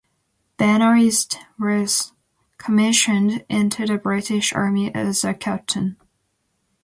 Benoist was commissioned into the British Army as a captain.